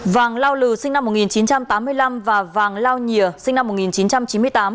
vàng lao lừ sinh năm một nghìn chín trăm tám mươi năm và vàng lao nhìa sinh năm một nghìn chín trăm chín mươi tám